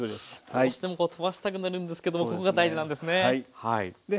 どうしてもこう飛ばしたくなるんですけどもここが大事なんですね。